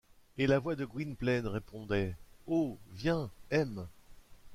Et la voix de Gwynplaine répondait Oh! viens ! aime !